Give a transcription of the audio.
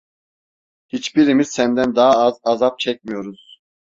Hiçbirimiz senden daha az azap çekmiyoruz!